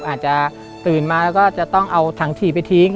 อาจจะตื่นมาแล้วก็จะต้องเอาถังฉี่ไปทิ้ง